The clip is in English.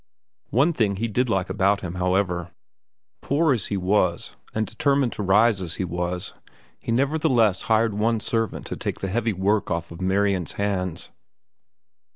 One thing he did like about him, however. Poor as he was, and determined to rise as he was, he nevertheless hired one servant to take the heavy work off of Marian's hands.